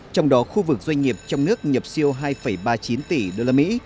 trong đó khu vực doanh nghiệp trong nước nhập siêu hai ba mươi chín tỷ đô la mỹ